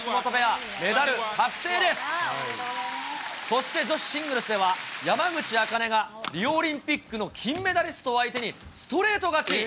そして女子シングルスでは、山口茜が、リオオリンピックの金メダリストを相手に、ストレート勝ち。